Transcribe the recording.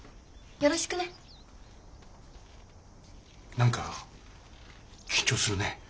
何か緊張するね。